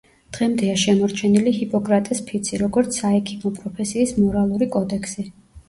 დღემდეა შემორჩენილი „ჰიპოკრატეს ფიცი“, როგორც საექიმო პროფესიის მორალური კოდექსი.